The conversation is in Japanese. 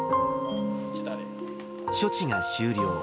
処置が終了。